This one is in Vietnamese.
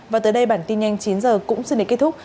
và tới đây bản tin nhanh chín h cũng xin đến kết thúc